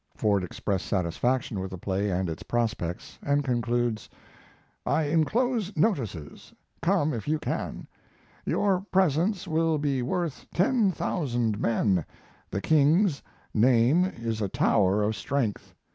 Ford expressed satisfaction with the play and its prospects, and concludes: I inclose notices. Come if you can. "Your presence will be worth ten thousand men. The king's name is a tower of strength."